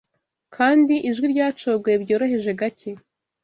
'Kandi ijwi ryacogoye byoroheje gake